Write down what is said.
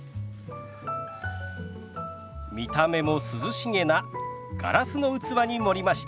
見た目も涼しげなガラスの器に盛りました。